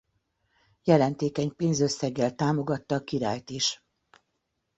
Jelentékeny pénzösszeggel támogatta a királyt is.